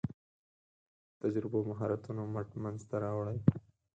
تجربو مهارتونو مټ منځ ته راوړي.